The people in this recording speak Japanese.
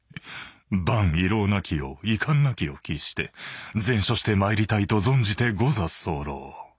万遺漏なきよう遺憾なきを期して善処してまいりたいと存じてござそうろう。